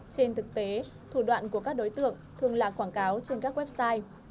trên thực tế thủ đoạn của các đối tượng thường là quảng cáo trên các website